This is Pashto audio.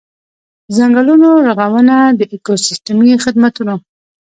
ځنګلونو رغونه د ایکوسیستمي خدمتونو.